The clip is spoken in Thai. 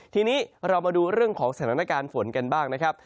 ทีนี้เรามาดูเรื่องของสถานการณ์ฝนกันบ้างนะครับ